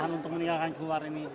untuk meninggalkan keluar ini